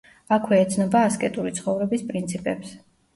აქვე ეცნობა ასკეტური ცხოვრების პრინციპებს.